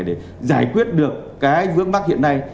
để giải quyết được cái vước mắt hiện nay